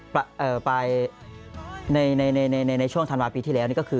คือปลายในช่วงธันวาสปีที่แล้ว